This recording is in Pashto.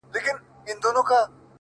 چي دا څه چل و چي دا څه چي ويل څه چي کول-